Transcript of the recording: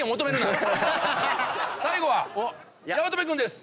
最後は八乙女君です。